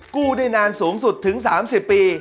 กู้ได้นานสูงสุดถึง๓๐ปี